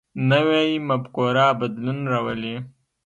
نوی مفکوره بدلون راولي